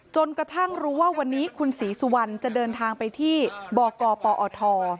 จนกระทั่งรู้ว่าวันนี้คุณศรีสุวรรณจะเดินทางไปที่บกปอท